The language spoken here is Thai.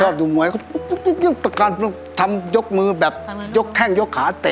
ชอบดูมวยทำยกมือแบบยกแข้งยกขาเตะ